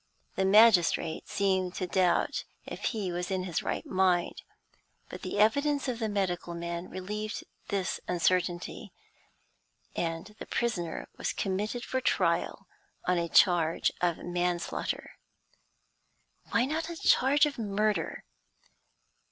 The magistrate seemed to doubt if he was in his right mind; but the evidence of the medical man relieved this uncertainty, and the prisoner was committed for trial on a charge of manslaughter. Why not on a charge of murder?